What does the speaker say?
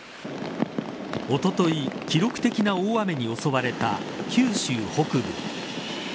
おととい、記録的な大雨に襲われた九州北部。